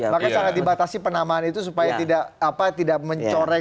maka sangat dibatasi penamaan itu supaya tidak mencoreng